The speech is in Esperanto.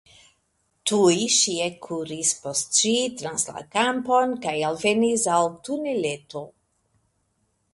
Tuj ŝi ekkuris post ĝi trans la kampon, kaj alvenis al tuneleto.